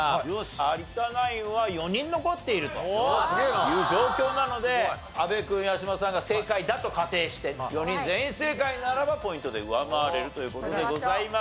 有田ナインは４人残っているという状況なので阿部君八嶋さんが正解だと仮定して４人全員正解ならばポイントで上回れるという事でございます。